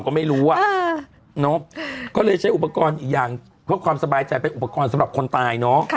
ก็ไม่รู้่ะอ่ายังเพราะความสบายใจเป็นอุปกรณ์สำหรับคนตาย